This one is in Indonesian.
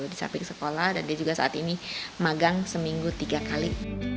di samping sekolah dan dia juga saat ini magang seminggu tiga kali